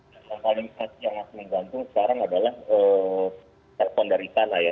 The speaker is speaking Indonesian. yang paling yang harus menggantung sekarang adalah telepon dari itana ya